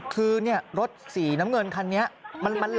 คือรถสีน้ำเงินคันนี้มันไหล